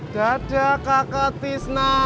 dadah kakak tisna